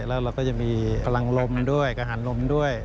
แล้วเราก็จะมีพลังลมด้วยอาหารลมด้วย